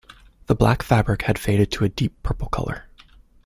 The black fabric had faded to a deep purple colour.